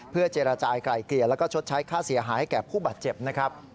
เพื่อเจรจากลายเกลี่ยแล้วก็ชดใช้ค่าเสียหายให้แก่ผู้บาดเจ็บนะครับ